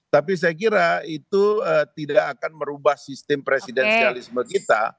tapi saya kira itu tidak akan merubah sistem presidensialisme kita